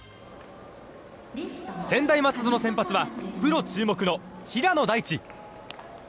専大松戸の先発はプロ注目の平野大地。